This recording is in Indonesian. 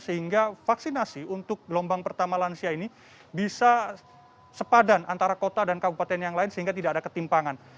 sehingga vaksinasi untuk gelombang pertama lansia ini bisa sepadan antara kota dan kabupaten yang lain sehingga tidak ada ketimpangan